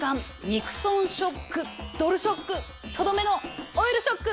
ニクソンショックドル・ショックとどめのオイルショック！